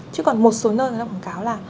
chứ còn một số nơi người ta quảng cáo là